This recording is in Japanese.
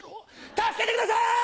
助けてください！